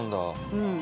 うん。